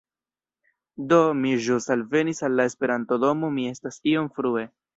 Do, mi ĵus alvenis al la Esperanto-domo mi estas iom frue